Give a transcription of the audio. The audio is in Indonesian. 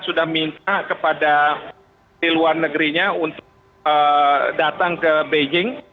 meminta kepada pilihan negerinya untuk datang ke beijing